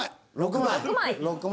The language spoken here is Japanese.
６枚。